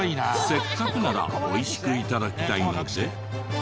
せっかくなら美味しく頂きたいので。